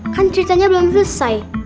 kan ceritanya belum selesai